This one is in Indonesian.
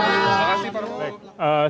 terima kasih pak